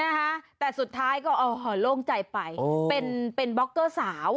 นะฮะแต่สุดท้ายก็โอ้โล่งใจไปเป็นบ๊อกเกอร์สาว